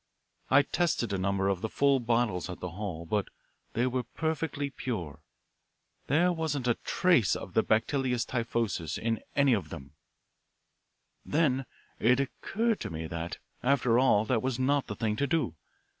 I tested a number of the full bottles at the hall, but they were perfectly pure. There wasn't a trace of the bacillus typhosus in any of them. Then it occurred to me that, after all, that was not the thing to do.